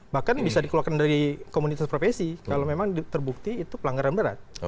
bahkan bisa dikeluarkan dari komunitas profesi kalau memang terbukti itu pelanggaran berat